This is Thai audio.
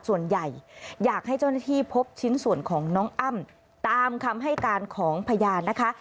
ส่วนใหญ่อยากให้เจ้าหน้าที่พบชิ้นส่วนของน้องอ้ำตามคำให้การของพยานนะคะ